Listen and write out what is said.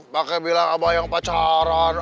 pakai bilang abah yang pacaran